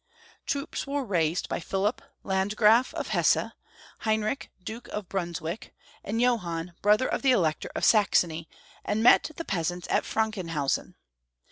Troops were raised by Pliilip, Landgraf cf Hesse, Heinrich, Duke of Brunswick, and Johann, brother of the Elector of Saxony, and met the peasants at Frankenhausen.